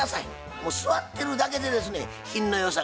もう座ってるだけでですね品の良さがある。